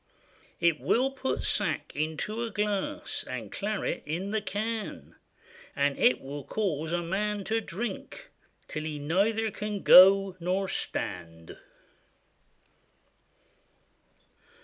It will put sack into a glass, And claret in the can; And it will cause a man to drink Till he neither can go nor stand.